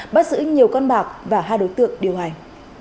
bắt giữ nhiều con bạc và hai đối tượng điều hành